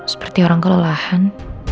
seperti orang kelelahan